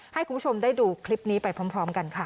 ให้คุณผู้ชมได้ดูคลิปนี้ไปพร้อมกันค่ะ